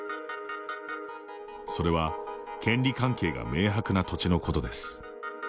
それは、権利関係が明白な土地のことです。